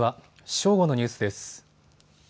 正午のニュースです。